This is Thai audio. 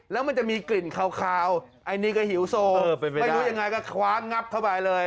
แล้วมันจะมีกลิ่นคาวไอ้นี่ก็หิวโซไม่รู้ยังไงก็คว้างับเข้าไปเลย